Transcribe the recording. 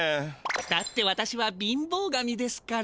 だってわたしは貧乏神ですから。